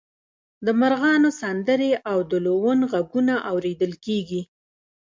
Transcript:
د مرغانو سندرې او د لوون غږونه اوریدل کیږي